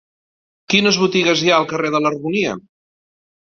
Quines botigues hi ha al carrer de l'Harmonia?